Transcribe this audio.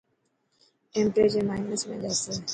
ٽيمپريڄر مائنس ۾ جاسي.